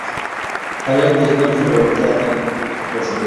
هلک د ژوند زړورتیا ده.